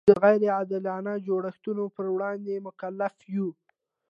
موږ د غیر عادلانه جوړښتونو پر وړاندې مکلف یو.